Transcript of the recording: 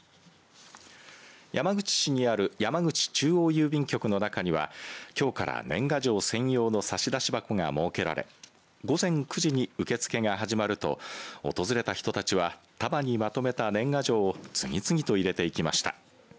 山口市にある山口中央郵便局の中にはきょうから年賀状専用の差出箱が設けられ午前９時に受け付けが始まると訪れた人たちは束にまとめた年賀状を次々と入れていきました。